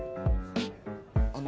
あの。